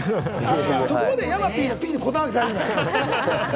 そこまで山ＰのＰにこだわらなくていいのよ。